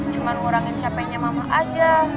cuma ngurangin capeknya mama aja